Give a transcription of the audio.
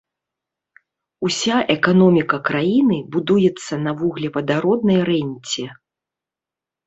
Уся эканоміка краіны будуецца на вуглевадароднай рэнце.